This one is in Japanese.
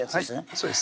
そうです